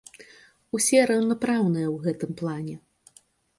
Усе раўнапраўныя ў гэтым плане.